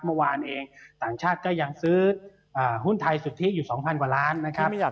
เมื่อวานเองต่างชาติก็ยังซื้อหุ้นไทยสุทธิอยู่๒๐๐กว่าล้านนะครับ